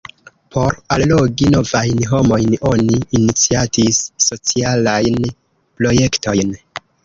Por allogi novajn homojn oni iniciatis socialajn projektojn.